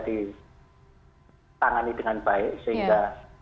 ditangani dengan baik sehingga